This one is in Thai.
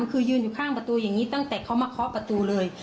คือยืนอยู่ข้างประตูอย่างนี้ตั้งแต่เขามาเคาะประตูเลย